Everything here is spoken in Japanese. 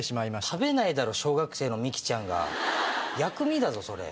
食べないだろ小学生のミキちゃん薬味だぞそれ。